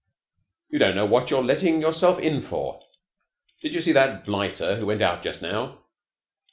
"You don't know what you're letting yourself in for. Did you see that blighter who went out just now?